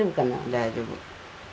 大丈夫。